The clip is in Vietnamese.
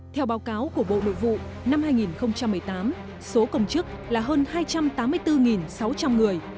theo báo cáo của bộ nội vụ năm hai nghìn một mươi tám số công chức là hơn hai trăm tám mươi bốn sáu trăm linh người